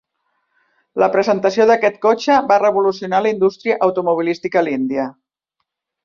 La presentació d'aquest cotxe va revolucionar la indústria automobilística a l'Índia.